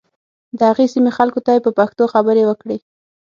د هغې سیمې خلکو ته یې په پښتو خبرې وکړې.